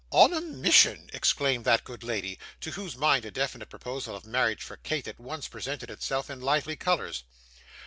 'On a mission,' exclaimed that good lady, to whose mind a definite proposal of marriage for Kate at once presented itself in lively colours.